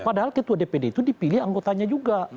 padahal ketua dpd itu dipilih anggotanya juga